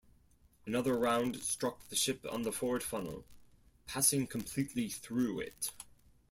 Another round struck the ship on the forward funnel, passing completely through it.